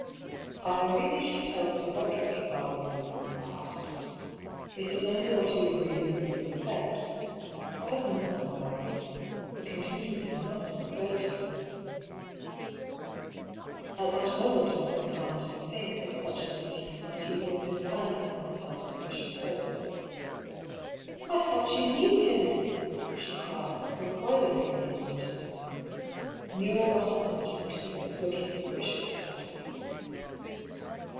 " I really should tell Sir Roderick if I were you," I hazarded. "It is only what he would reasonably ex pect. Cousins often marry. The contingency must have occurred to him." 38 1>B. PAULL'S THEORY. At that moment I was incliued to think that such an issue might even have been planned by my self sufficient host. "I thought you knew him!" she cried, recoiling from me a little. Nero got up and stood between us, looking suspi ciously at me.